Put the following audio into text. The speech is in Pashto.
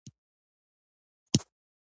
دا شتمني باید ډیره کړو.